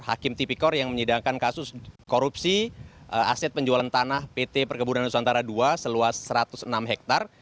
hakim tipikor yang menyidangkan kasus korupsi aset penjualan tanah pt perkebunan nusantara ii seluas satu ratus enam hektare